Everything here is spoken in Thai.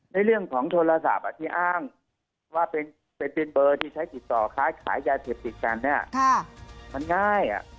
ในเรื่องของโทรศัพท์ที่อ้างว่าเป็นเป็นเบอร์ที่ใช้กิจตอขายหยายเท็จติดกันมันง่าย